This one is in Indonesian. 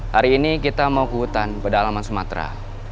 hari ini kita mau ke hutan pada alaman sumatera